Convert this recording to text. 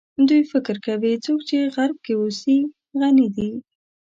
دوی فکر کوي څوک چې غرب کې اوسي غني دي.